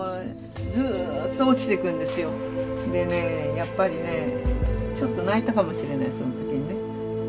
やっぱりねちょっと泣いたかもしれないその時にね。